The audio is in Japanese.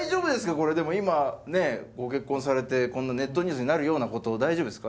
これでも今ねえご結婚されてこんなネットニュースになるようなことを大丈夫ですか？